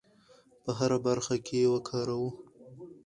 په هره برخه کې یې وکاروو.